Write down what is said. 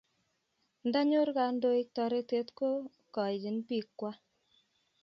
Ndanyor kandoik taretet ko kaini piik kwai